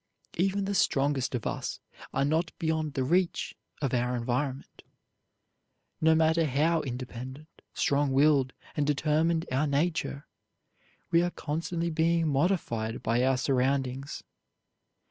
Even the strongest of us are not beyond the reach of our environment. No matter how independent, strong willed, and determined our nature, we are constantly being modified by our surroundings.